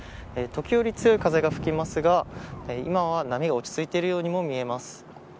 時折強い風が吹きますが今は波が落ち着いているようにも見えます。